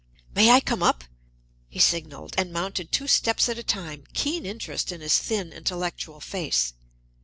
"May I come up?" he signaled, and mounted two steps at a time, keen interest in his thin, intellectual face.